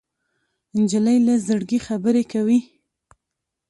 نجلۍ له زړګي خبرې کوي.